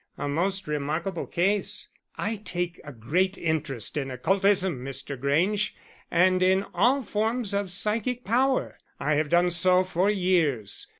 A most remarkable case. I take a great interest in occultism, Mr. Grange, and in all forms of psychic power I have done so for years.